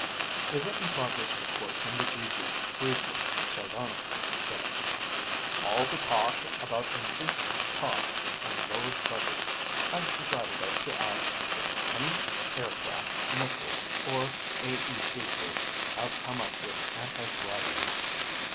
A written progress report from the GG briefly, sardonically, said: "All the talk about increased costs and lowered budget has decided us to ask if any aircraft, missile, or AEC groups have come up with anti gravity.